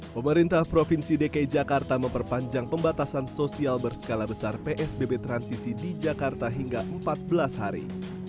pemerintah provinsi dki jakarta memperpanjang pembatasan sosial berskala besar psbb transisi di jakarta hingga empat belas hari